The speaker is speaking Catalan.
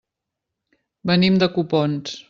Venim de Copons.